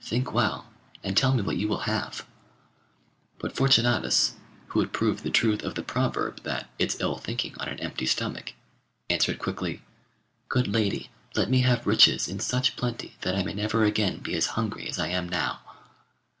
Think well, and tell me what you will have.' But Fortunatus, who had proved the truth of the proverb that 'It's ill thinking on an empty stomach,' answered quickly, 'Good lady, let me have riches in such plenty that I may never again be as hungry as I am now.